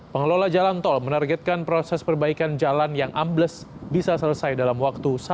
pengelola jalan tol menargetkan proses perbaikan jalan yang ambles bisa selesai dalam waktu satu jam